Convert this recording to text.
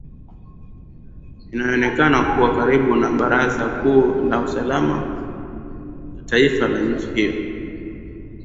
inayoonekana kuwa karibu na baraza kuu la usalama la taifa la nchi hiyo